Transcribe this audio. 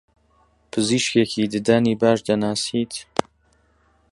پزیشکێکی ددانی باش دەناسیت؟